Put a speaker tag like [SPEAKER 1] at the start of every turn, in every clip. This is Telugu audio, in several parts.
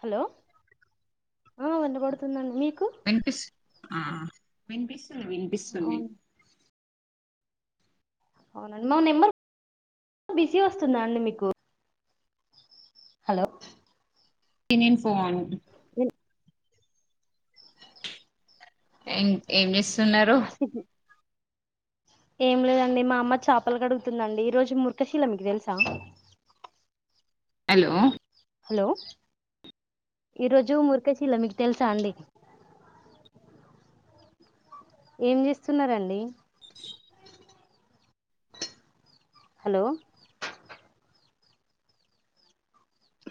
[SPEAKER 1] హలో ఆ విన పడుతుందండి మీ
[SPEAKER 2] వినిపిస్ ఆ వినిపిస్తుంది వినిపిస్తుంది
[SPEAKER 1] అవును అవునండి మా నెంబర్ బిజీ వస్తుందా అండి మీకు హలో
[SPEAKER 2] తినేన్ ఫోన్
[SPEAKER 1] [unintelligible]
[SPEAKER 2] ఎన్ ఏం చేస్తున్నారు
[SPEAKER 1] ఏం లేదండి మా అమ్మ చాపలు కడుగుతుందండి ఈ రోజు ముర్ఖశీల మీకు తెలుసా
[SPEAKER 2] హలో
[SPEAKER 1] హలో ఈరోజు ముర్ఖశీల మీకు తెలుసా అండి ఏం చేస్తున్నారండి హలో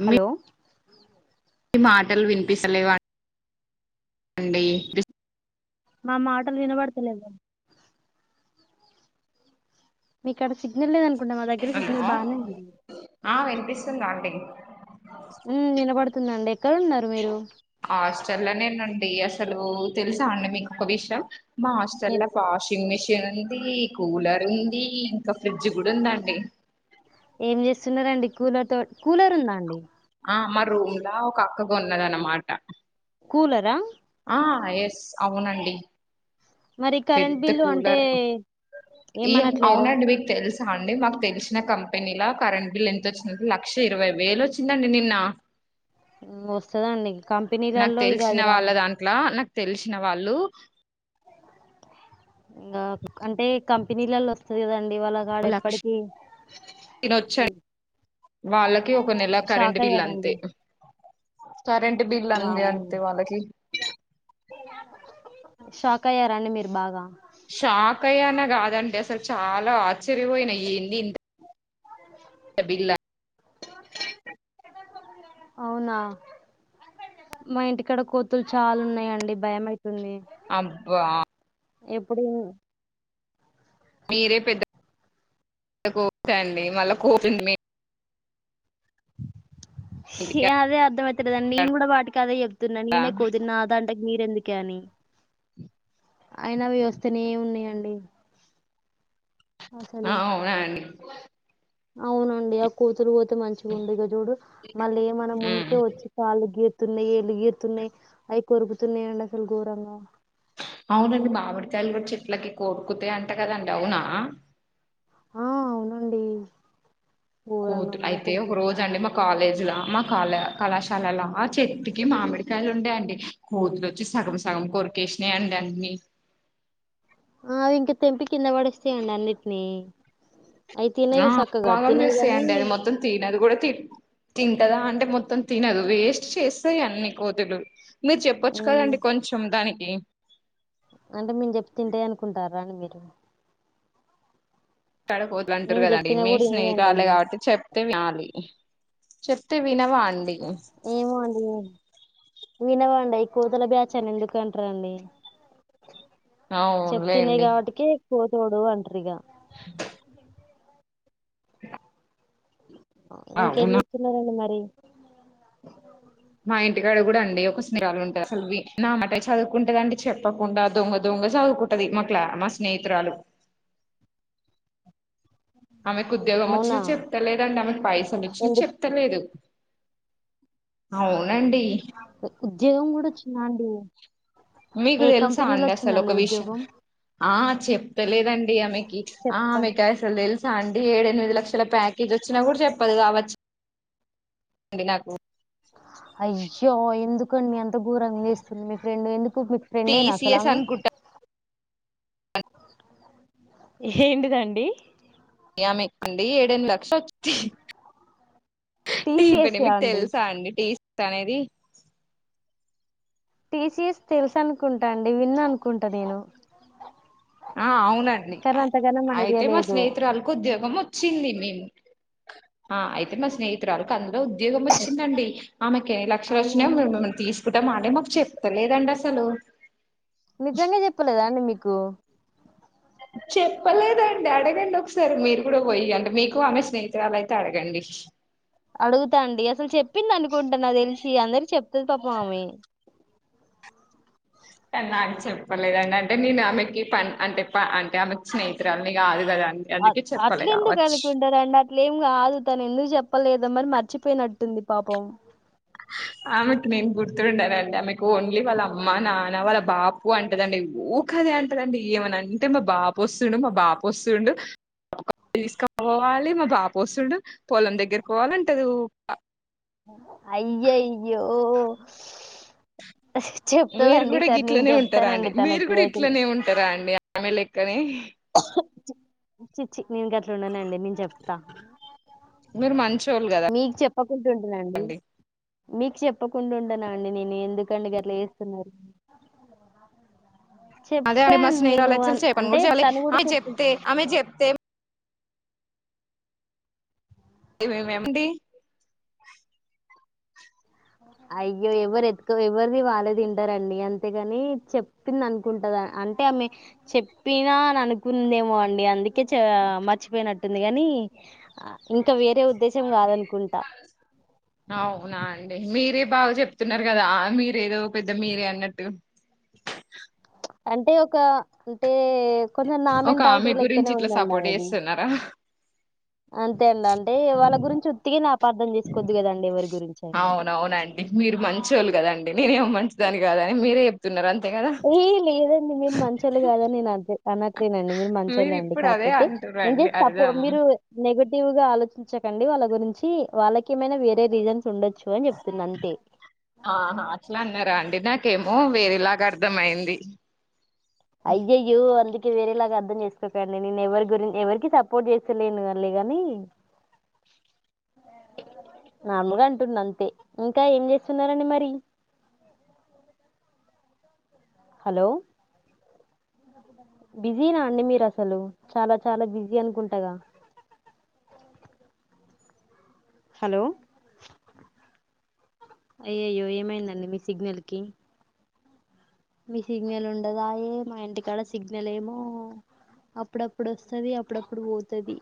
[SPEAKER 1] హలో
[SPEAKER 2] మీ మాటలు వినిపిస్తాలేవా అండే దిస్
[SPEAKER 1] మా మాటలు వినబడతలేద మీకు ఆడ సిగ్నల్ లేదనుకుంటా మా దగ్గర
[SPEAKER 2] హలో
[SPEAKER 1] సిగ్నల్ బానే ఉంది.
[SPEAKER 2] ఆ వినిపిస్తుందా అండి
[SPEAKER 1] ఉ వినబడుతుందండి ఎక్కడ ఉన్నారు మీరు
[SPEAKER 2] హాస్టల్ లోనేనండి అసలు తెలుసా అండి మీకు ఒక విషయం. మా
[SPEAKER 1] ఏం
[SPEAKER 2] హాస్టల్లా వాషింగ్ మిషిన్ ఉంది కూలర్ ఉంది ఇంకా ఫ్రిడ్జ్ కూడా ఉందాండి
[SPEAKER 1] ఏం చేస్తున్నారండి కూలర్ తో కూలర్ ఉందా అండి
[SPEAKER 2] ఆ మా రూమ్లా ఒక అక్క కొన్నదానమాట
[SPEAKER 1] కూలరా
[SPEAKER 2] ఆ ఎస్ అవునండి
[SPEAKER 1] మరి కరెంట్
[SPEAKER 2] పెద్ద
[SPEAKER 1] బిల్లు అంటే
[SPEAKER 2] కూలర్ ఈ
[SPEAKER 1] ఏమనట్లేరా
[SPEAKER 2] అవునండి మీకు తెలుస్ అండి మాకు తెలిసిన కంపెనీలా కరెంట్ బిల్ ఎంత వచ్చిందంటే లక్ష ఇరవై వేలు వచ్చిందండి నిన్న.
[SPEAKER 1] వస్తదండి
[SPEAKER 2] నాకు
[SPEAKER 1] కంపెనీలలో ఇగ
[SPEAKER 2] తెలిసిన
[SPEAKER 1] అది
[SPEAKER 2] వాళ్ళ
[SPEAKER 1] రావు
[SPEAKER 2] దాంట్లో నాకు తెలిసిన వాళ్ళు
[SPEAKER 1] ఇంగ అంటే కంపెనీలలో వస్తది కదన్ ఇవల్లా కాడు
[SPEAKER 2] లక్ష
[SPEAKER 1] ఎప్పటికిీ
[SPEAKER 2] తినొచ్చ వాళ్ళకి ఒక నెల కరెంట్ బిల్ అంతే కరెంట్ బిల్ అంది
[SPEAKER 1] వామ్మో
[SPEAKER 2] అంతే వాళ్ళకి
[SPEAKER 1] షాక్ అయ్యారాండి మీరు బాగా
[SPEAKER 2] షాక్ అయ్యానాగా ఆదంటే అసలు చాలా ఆశ్చర్యపోయిన ఏంది ఇంత గబిల్లా
[SPEAKER 1] అవునా మా ఇంటికాడ కోతులు చాలా ఉన్నాయిండి భయం అయితుంది.
[SPEAKER 2] అబ్బా
[SPEAKER 1] ఎప్పుడు
[SPEAKER 2] మీరే పెద్ద కోతండి మళ్ళా కోతి మే ఇంటికాడ
[SPEAKER 1] అదే అర్థమైయితలేదండి నేను కూడా వాటికి అదే చెప్పుతున్నా నేనే కోతిని నా దాన్ లైక్ మీరెందుకే అని అయినా వ్యవస్నే ఏ ఉన్నాయం ఉ
[SPEAKER 2] అవునా అండి
[SPEAKER 1] అవునండి ఆ కోతులు పోతే మంచిగా వుండు ఇక చూడు మళ్ళీ మన ముందుకే
[SPEAKER 2] ఉమ్.
[SPEAKER 1] వచ్చి పాలు గె తున్నాయి ఎలుగెతున్నాయి అవి కొరుకుతున్నాయండి అసలు ఘోరంగా.
[SPEAKER 2] అవునండి మామిడికాయలు కూడా చెట్లకి కోరుకుతే అంట కదండి అవునా.
[SPEAKER 1] ఆ అవునండి ఘోరంగా
[SPEAKER 2] కోతులు
[SPEAKER 1] అమ్మో
[SPEAKER 2] అయితే
[SPEAKER 1] కోతులు
[SPEAKER 2] ఒక రోజు అండి మ కాలేజీలా మా కాల కళాశాలలా ఆ చెట్టుకి మామిడికాయలు ఉండేయండి కోతులు వచ్చి సగం సగం కోరికేసినాయండి అన్ని
[SPEAKER 1] ఆవి ఇంక తెంపి కింద పడుస్తాయండి అన్నిటినీ
[SPEAKER 2] ఆ వాగం చేస్తేయండి అది మొత్తం తినదు కూడా తి తింటదా అంటే మొత్తం తినదు వేస్ చేస్తాయి అన్ని కోతులు మీరు చెప్పొచ్చు
[SPEAKER 1] మ్మ్
[SPEAKER 2] కదండి కొంచెం దానికి.
[SPEAKER 1] అంటే మేము చెప్తే తింటే అనుకుంటారా అండి మీరు
[SPEAKER 2] ఇక్కడ కోతులు అంటూరు
[SPEAKER 1] నేను
[SPEAKER 2] కదండి
[SPEAKER 1] చెప్పినా
[SPEAKER 2] మీ
[SPEAKER 1] కూడా వినయండి
[SPEAKER 2] స్నేహిరాలే
[SPEAKER 1] అయి
[SPEAKER 2] కాబట్టి చెప్తే వినాలి. చెప్తే వినవా అండి నువ్వు
[SPEAKER 1] ఏమో అండి వినవండి కూతుల బ్యాచ్ అని ఎందుకు అంటారండి చెప్ తన్నాయి
[SPEAKER 2] అవునులేండి
[SPEAKER 1] కాబట్టికి పోచూడు అంటారుగా ఇంకేం
[SPEAKER 2] అవునా
[SPEAKER 1] చేస్తున్నారండి మరి
[SPEAKER 2] మా ఇంటికాడ కూడా అండి ఒక స్థిరాలు ఉంటాది అసలు నా మాటే చదువుకుంటదండి చెప్పకుండా దొంగ దొంగ చగు కుట్టది మా క్లాస్ మా స్నేహితురాలు ఆమెకి ఉద్యోగం
[SPEAKER 1] అవునా
[SPEAKER 2] వచ్చినా చెప్తలేదండి ఆమెకి పైసలు వచ్చినా
[SPEAKER 1] ఎందుకు
[SPEAKER 2] చెప్తలేదు అవునండి
[SPEAKER 1] జగం కూడా వచ్చిందా అండి
[SPEAKER 2] మీకు
[SPEAKER 1] ఏ
[SPEAKER 2] తెలుసా
[SPEAKER 1] కంపెనీలో
[SPEAKER 2] అండి అసలు ఒక
[SPEAKER 1] వచ్చిందండి
[SPEAKER 2] విషయం
[SPEAKER 1] ఉద్యోగం
[SPEAKER 2] ఆ చెప్తలేదండి ఆమెకి ఆ
[SPEAKER 1] చెప్పండి
[SPEAKER 2] ఆమెకి అసలు తెలుసు సా అండి ఏడు ఎనిమిది లక్షల ప్యాకేజ్ వచ్చినా కూడా చెప్పదు కావచ్చు అండి నాకు
[SPEAKER 1] ఆ అయ్యో ఎందుకండి అంత గోరంగా చేస్తుంది మీ ఫ్రెండ్ ఎందుకు మీ ఫ్రెండే నా అసలు
[SPEAKER 2] టీసీఎస్
[SPEAKER 1] ఆమే
[SPEAKER 2] అనుకుంటా
[SPEAKER 1] ఏంటిదండి
[SPEAKER 2] యమే కండి ఏడెనిమిది లక్షలు హా హా
[SPEAKER 1] టీసీఎస్
[SPEAKER 2] టీపిండి
[SPEAKER 1] ఆ
[SPEAKER 2] మీకు తెలుసా అండి టీ ఇస్తా అనేది
[SPEAKER 1] టీసీఎస్ తెలుసనుకుంటా అండి విన్న అనుకుంటా నేను
[SPEAKER 2] ఆ అవునండి
[SPEAKER 1] కానీ అంతగానం ఐడియా
[SPEAKER 2] అయితే మా
[SPEAKER 1] లేదు
[SPEAKER 2] స్నేహితురాలుకు ఉద్యోగం వచ్చింది మేము ఆ అయితే మా స్నేహితురాళ్ళ కందు రూల్ లో ఉద్యోగం వచ్చిందండి ఆమెకి ఎన్ని లక్షలు
[SPEAKER 1] అవునా
[SPEAKER 2] వచ్చినా మేం ఏమన్నా తీస్ కున్న మాటె మాకు చెప్తలేదండి అసలు
[SPEAKER 1] నిజంగా చెప్పలేదా అండి మీకు
[SPEAKER 2] చెప్పలేదండి అడగండి ఒకసారి మీరు కూడా పోయి అంటె మీకు ఆమె స్నేహితురాలు అయితే అడగండి
[SPEAKER 1] అడుగుతాండి అసలు చెప్పింది అనుకుంట నాకి తెలిసి అందరి చెప్తాది పాపం ఆమె
[SPEAKER 2] అంటే నాకు చెప్పలేదండి అంటే నేను ఆమెకి పన్ అంటే పా అంటే ఆమెకి స్నేహితురాల్ని కాదు కదా అండి, అందుకే
[SPEAKER 1] అట్ల
[SPEAKER 2] చెప్పలే
[SPEAKER 1] ఎందుకు
[SPEAKER 2] కావచ్చు
[SPEAKER 1] అనుకుంటారండి అట్లేం కాదు తను ఎందుకు చెప్ లేద మరి మర్చిపోయినట్టుంది పాపం
[SPEAKER 2] ఆమెకి నేను గుర్తుండనండి ఆమెకు ఓన్లీ వాళ్ళ అమ్మా నా న్న వాళ్ళ బాపు అంటదండి ఊకే ఆదే అంటదండి ఏమన్న అంటే మా బాపు వస్తుండు మా బాప వస్తుండు ఒక [unintelligible] తీసుకుపోవాలి మా బాపూ ఆస్తుండు పొలం దగ్గరికి పోవాలంటది ఊక
[SPEAKER 1] అయ్య అయ్యయే
[SPEAKER 2] మీరు కూడా ఇట్లనే ఉంటారా అండి మీరు
[SPEAKER 1] తనకి
[SPEAKER 2] కూడా
[SPEAKER 1] అయితే
[SPEAKER 2] ఇట్లనే ఉంటారా అండి ఆమె లెక్కనే
[SPEAKER 1] చి చి నేను గట్లా ఉన్నానండి నేను చెప్తా
[SPEAKER 2] మీరు మంచోళ్ళు కదా
[SPEAKER 1] ఆడుకుంటుంన్నాండి
[SPEAKER 2] అండి
[SPEAKER 1] మీకు చెప్పకుండా ఉంటన్న అండి నేను ఎందుకండి గట్లా చేస్తున్నారు
[SPEAKER 2] అదే అండి మా
[SPEAKER 1] చెప్పాను నేను
[SPEAKER 2] స్నేహిరాళ్ళచ్చి
[SPEAKER 1] అన్-
[SPEAKER 2] చెప్పను
[SPEAKER 1] అంటే
[SPEAKER 2] కూడా చాలే
[SPEAKER 1] తను కూడా
[SPEAKER 2] ఆమె
[SPEAKER 1] చెప్పి
[SPEAKER 2] చెప్తే ఆమె చెప్తే ఏమేమి ఎమిడి
[SPEAKER 1] అయ్యో ఎవరు ఎత్క ఎవరిది వాళ్ళే తింటారండి అంతేగాని చెప్పింది అనుకుంటద అంటే ఆమె చెప్పినా అని అనుకుందేమో అండి అందుకే చ మర్చిపోయినట్టుంది గాని
[SPEAKER 2] అవునా అండి మీరూ ఇప్పు మీరు బాగా చెప్తున్నారు కదా మీరేదో ఒక పెద్ద మీరే అన్నట్టు
[SPEAKER 1] అంటే ఒక అంటే కొంచెం
[SPEAKER 2] ఒక
[SPEAKER 1] నామెంటాలిటీ
[SPEAKER 2] ఆమె గురించి
[SPEAKER 1] లెక్కనే
[SPEAKER 2] ఇట్లా
[SPEAKER 1] ఉందండి
[SPEAKER 2] సపోర్ట్
[SPEAKER 1] అమేది
[SPEAKER 2] చేస్తున్నారా
[SPEAKER 1] అంతే అండి అంటే వాళ్ళ గురించి ఉత్తికేనా అప్
[SPEAKER 2] అవునవునండి మీరు మంచోళ్ళు కదండి నేనేం మంచిదాని కాదని మీరే చెప్తున్నారు అంతే కదా
[SPEAKER 1] ఏ లేదండి మీరు మంచొళ్ళు కాదని నేను అనట్లేదు అండి మీరు మంచొళ్ళు అండి
[SPEAKER 2] ఇప్పుడు అదే
[SPEAKER 1] కాకపోతే ఏం
[SPEAKER 2] అంటురండి
[SPEAKER 1] చేసేటప్పు
[SPEAKER 2] అర్థం
[SPEAKER 1] మీరు నెగా టివ్గా ఆలోచించకండి వాళ్ళ గురించి వాళ్ళకేమైనా వేరే రీజన్స్ ఉండొచ్చు అని చెప్తున్నా అంతే
[SPEAKER 2] ఆహ అట్లా అన్నారా అండి నాకేమో వేరేలాగ అర్ధం అయింది
[SPEAKER 1] అయ్యయ్యో అండి వేరేలాగా అర్థం చేసుకోకండి నేను ఎవరి గురిం ఎవరికి సపోర్ట్ చేస్తలేను సర్లే గాని నార్మలుగా అంటున్న అంతే ఇంకా ఏం చేస్తున్నరండి మరి హలో బిజీనా అండి మీరు అసలు చాలా చాలా బిజీ అనుకుంటగా హలో అయ్యయ్యో ఏమైందండి మీ సిగ్నల్ కి మీ సిగ్నల్ ఉండదాయే మా ఇంటికాడ సిగ్నల్ ఏమో అప్పుడప్పుడు వస్తది అప్పుడప్పుడు పోతది